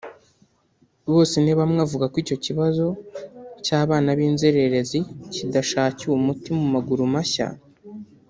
Bosenibamwe avuga ko icyo kibazo cy’abana b’inzererezi kidashakiwe umuti mu maguru mashya